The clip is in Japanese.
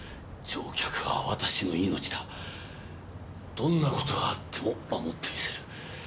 どんなことがあっても守ってみせる。